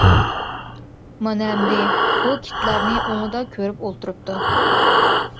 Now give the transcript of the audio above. مانا ئەمدى ئۇ كىتلارنى ئوڭىدا كۆرۈپ ئولتۇرۇپتۇ.